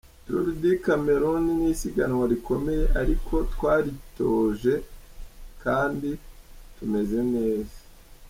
Tour du Cameroun ni isiganwa rikomeye ariko twaritoje kandi tumeze neza.